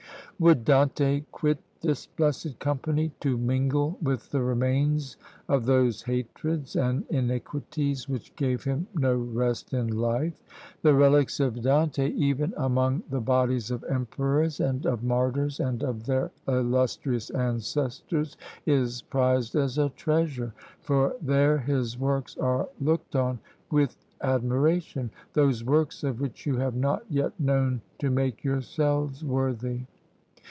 Would Dante quit this blessed company to mingle with the remains of those hatreds and iniquities which gave him no rest in life? The relics of Dante, even among the bodies of emperors and of martyrs, and of their illustrious ancestors, is prized as a treasure, for there his works are looked on with admiration; those works of which you have not yet known to make yourselves worthy.